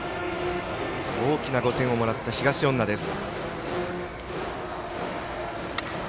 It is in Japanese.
大きな５点をもらった東恩納です。